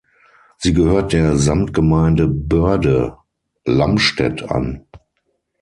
Sie gehört der Samtgemeinde Börde Lamstedt an.